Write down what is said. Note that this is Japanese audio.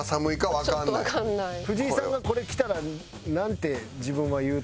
「藤井さんがこれ着たらなんて自分は言うと」。